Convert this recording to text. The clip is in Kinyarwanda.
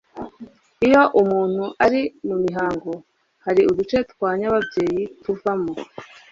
Iyo umuntu ari mu mihango hari uduce twa nyababyeyi tuvamo